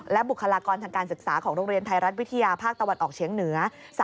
บุคลากรทางการศึกษาของโรงเรียนไทยรัฐวิทยาภาคตะวันออกเฉียงเหนือ